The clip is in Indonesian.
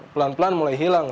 pelan pelan mulai hilang